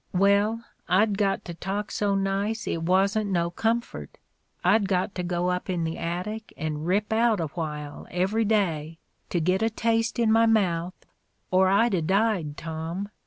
Well, I'd got to talk so nice it wasn't no comfort — I'd got to go up in the attic and rip out a while, every day, to git a taste in my mouth, or I'd a died, Tom.